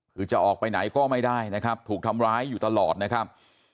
คือจะออกไปไหนก็ไม่ได้นะครับถูกทำร้ายอยู่ตลอดนะครับ